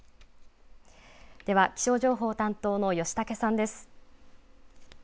では気象情報担当の吉竹さんです。